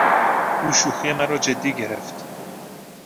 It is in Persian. او شوخی مرا جدی گرفت.